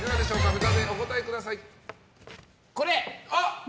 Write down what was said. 札でお答えください。